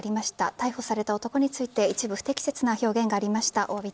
逮捕された男について一部不適切な表現がありました。